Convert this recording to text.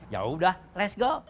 yaudah let's go